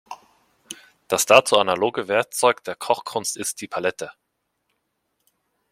Das dazu analoge Werkzeug der Kochkunst ist die Palette.